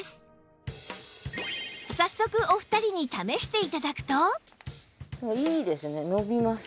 早速お二人に試して頂くと